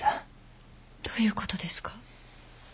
どういうことですか？